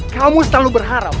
kamu selalu berharap